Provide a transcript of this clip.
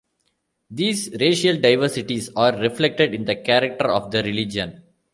These racial diversities are reflected in the character of the religion.